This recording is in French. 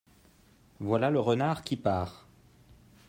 Voilà le renard qui part.